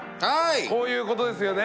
こういうことですよね。